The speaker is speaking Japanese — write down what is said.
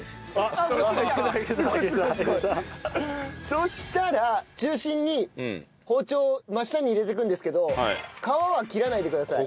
そしたら中心に包丁を真下に入れていくんですけど皮は切らないでください。